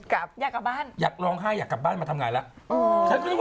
อยากกลับบ้านอยากร้องไห้อยากกลับบ้านมาทำงานแล้ว